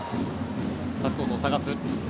パスコースを探す。